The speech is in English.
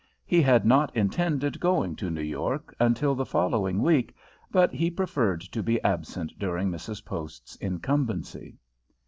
He had not intended going to New York until the following week, but he preferred to be absent during Mrs. Post's incumbency.